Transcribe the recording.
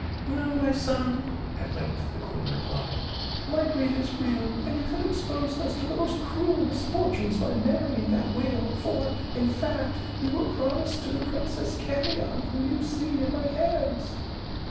"No, my son," at length the Queen replied; "my grief is real, and you have exposed us to the most cruel misfortunes by marrying that Whale, for, in fact, you were promised to the Princess Camion whom you see in my hands."